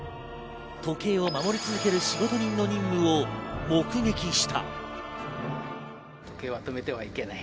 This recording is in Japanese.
時計を守り続ける仕事人の任務を目撃した。